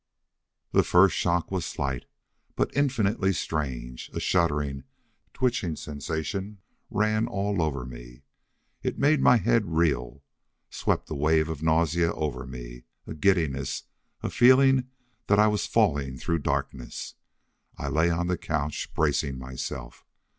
The first shock was slight, but infinitely strange. A shuddering, twitching sensation ran all over me. It made my head reel, swept a wave of nausea over me, a giddiness, a feeling that I was falling through darkness. I lay on the couch, bracing myself.